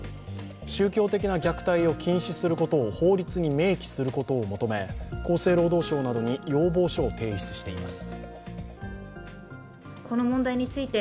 宗教的な虐待を禁止することを法律に明記することを求め厚生労働省などに要望書を提出しています。